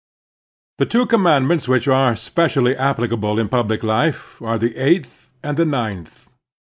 THE two commandments which are specially applicable in public life are the eighth and the ninth.